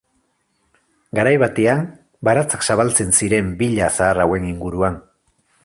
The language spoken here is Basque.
Garai batean baratzak zabaltzen ziren villa zahar hauen inguruan.